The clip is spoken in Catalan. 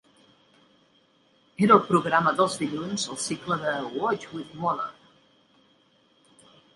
Era el programa dels dilluns al cicle de "Watch with Mother".